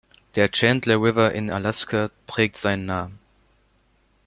Der Chandler River in Alaska trägt seinen Namen.